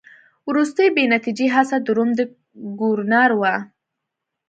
وروستۍ بې نتیجې هڅه د روم د ګورنر وه.